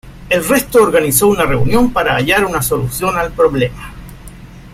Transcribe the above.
El resto organizó una reunión para hallar una solución al problema.